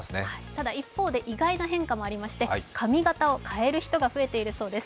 ただ一方で意外な変化もありまして、髪形を変える人が増えています。